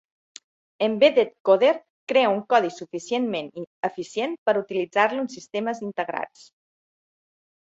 Embedded Coder crea un codi suficientment eficient com per utilitzar-lo en sistemes integrats.